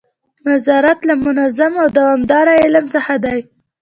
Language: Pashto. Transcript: نظارت له منظم او دوامداره علم څخه دی.